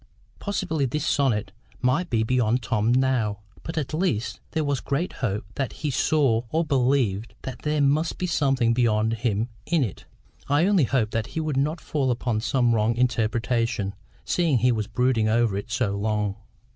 Possibly this sonnet might be beyond Tom now, but, at least, there was great hope that he saw, or believed, that there must be something beyond him in it. I only hoped that he would not fall upon some wrong interpretation, seeing he was brooding over it so long.